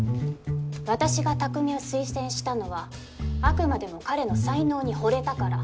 私が匠を推薦したのはあくまでも彼の才能にほれたから。